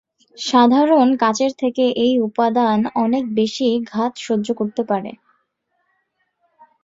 সাধারণ কাচের থেকে এই উপাদান অনেক বেশি ঘাত সহ্য করতে পারে।